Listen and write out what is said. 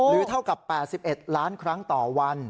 เท่ากับ๘๑ล้านครั้งต่อวัน